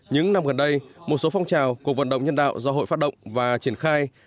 những năm gần đây một số phong trào cuộc vận động nhân đạo do hội phát động và triển khai